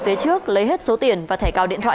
phía trước lấy hết số tiền và thẻ cào điện thoại